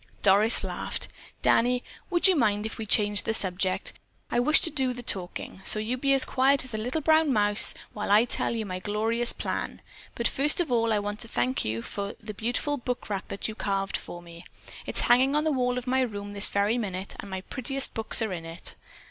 Doris laughed. "Danny, would you mind if we changed the subject? I wish to do the talking, so you be as quiet as a little brown mouse while I tell you my glorious plan, but first of all I want to thank you for the beautiful bookrack that you carved for me. It's hanging on the wall of my room this very minute and my prettiest books are in it."